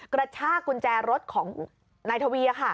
กระชากกุญแจรถของนายทวี